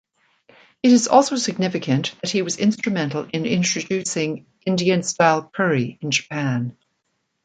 It is also significant that he was instrumental in introducing Indian-style curry in Japan.